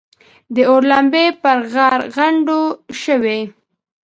د اور لمبې پر غرغنډو شوې.